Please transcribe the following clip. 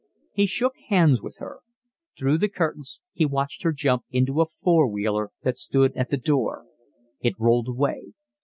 He shook hands with her. Through the curtains he watched her jump into a four wheeler that stood at the door. It rolled away.